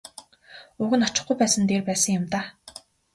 Уг нь очихгүй байсан нь дээр байсан юм даа.